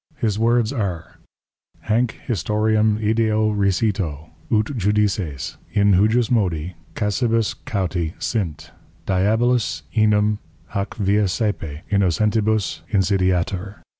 His Words are, _Hanc Historiam ideo recito, ut Judices, in hujusmodi, Casibus cauti sint: Diabolus enim hac via sæpe innocentibus insidiatur.